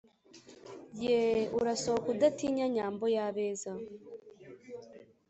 Yeeeee, urasohoke udatinya nyambo yabeza